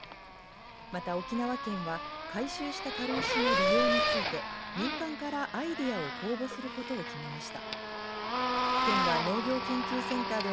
また、沖縄県は回収した軽石の利用について民間からアイデアを公募することを決めました。